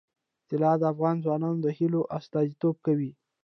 طلا د افغان ځوانانو د هیلو استازیتوب کوي.